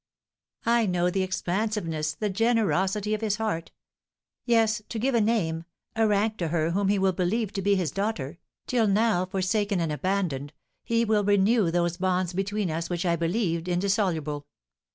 I know the expansiveness, the generosity of his heart, yes, to give a name, a rank to her whom he will believe to be his daughter, till now forsaken and abandoned, he will renew those bonds between us which I believed indissoluble.